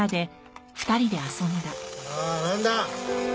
さあなんだ？